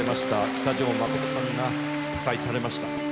喜多條忠さんが他界されました。